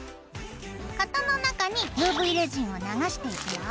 型の中にＵＶレジンを流していくよ。